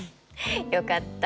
よかった。